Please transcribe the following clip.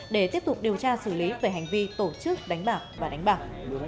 để tiếp tục điều tra xử lý về hành vi tổ chức đánh bạc và đánh bạc